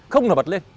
không là bật lên